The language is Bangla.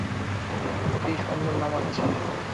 কী সুন্দর নামায!